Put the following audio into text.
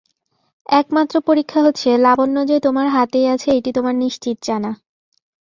একমাত্র পরীক্ষা হচ্ছে, লাবণ্য যে তোমার হাতেই আছে এইটি তোমার নিশ্চিত জানা।